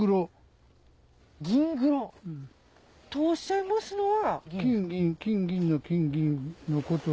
ギングロ？とおっしゃいますのは。